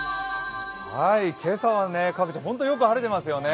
今朝は各地本当によく晴れていますよね。